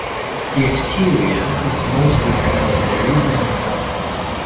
The exterior is mostly in its original form.